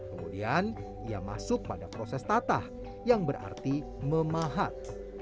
kemudian ia masuk pada proses tatah yang berarti memahat